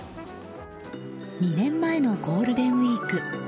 ２年前のゴールデンウィーク。